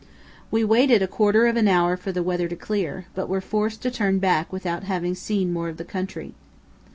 We waited a quarter of an hour for the weather to clear but were forced to turn back without having seen more of the country.